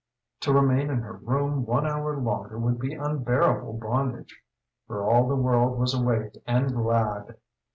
To remain in her room one hour longer would be unbearable bondage. For all the world was awake and glad!